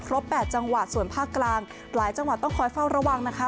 แปดจังหวัดส่วนภาคกลางหลายจังหวัดต้องคอยเฝ้าระวังนะคะ